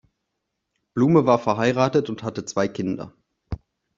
Blume war verheiratet und hatte zwei Kinder.